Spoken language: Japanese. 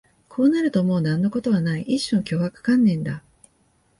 こうなるともう何のことはない、一種の脅迫観念だ